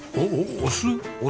お酢？